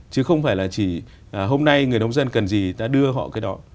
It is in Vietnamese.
chứ không phải là chỉ hôm nay người nông dân cần gì ta đưa họ cái đó